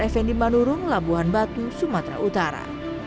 fnd manurung labuhan batu sumatera utara